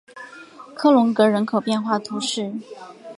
科隆格人口变化图示